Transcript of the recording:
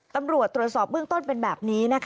ตำรวจตรวจสอบเบื้องต้นเป็นแบบนี้